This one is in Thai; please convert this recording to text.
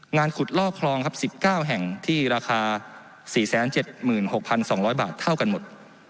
งานขุดลอกคลองครับ๑๙แห่งที่ราคา๔๗๖๒๐๐บาทเท่ากันหมด